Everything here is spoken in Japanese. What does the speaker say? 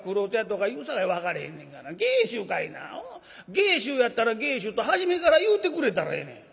芸州やったら芸州と初めから言うてくれたらええねん」。